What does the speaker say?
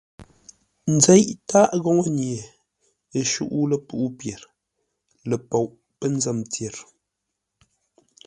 Nzéʼ tâʼ góŋə́-nye, ə shúʼú lepuʼú pyêr ləpoʼ pə́ nzə́m tyer.